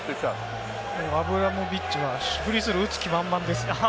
アブラモビッチはね、フリースローを打つ気満々ですね。